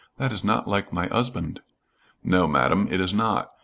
That is not like my 'usband.' 'No, Madam, it is not.